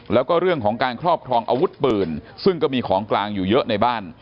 แล้วก็เรื่องของการครอบครองอาวุธปืนซึ่งก็มีของกลางอยู่เยอะในบ้าน